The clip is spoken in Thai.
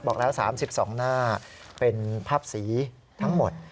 บอกแล้ว๓๒หน้าเป็นภาพสีทั้งหมด